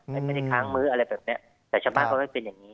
มันไม่ได้ค้างมื้ออะไรแบบเนี้ยแต่ชาวบ้านเขาไม่เป็นอย่างนี้